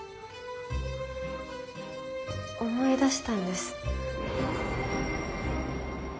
思い出したんです。